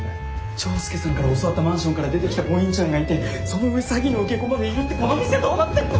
チョウスケさんから教わったマンションから出てきたボインちゃんがいてその上詐欺の受け子までいるってこの店どうなってんの？